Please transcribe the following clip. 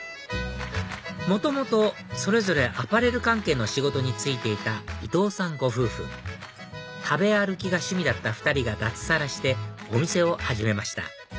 元々それぞれアパレル関係の仕事に就いていた伊藤さんご夫婦食べ歩きが趣味だった２人が脱サラしてお店を始めました